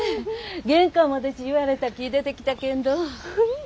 玄関までち言われたき出てきたけんど。